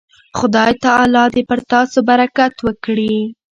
خدای تعالی دې پر تاسو برکت وکړي.